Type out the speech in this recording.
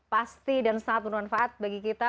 pasti dan sangat bermanfaat bagi kita